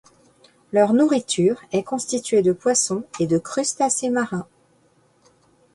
Leurs nourritures est constituée de poissons et de crustacés marins.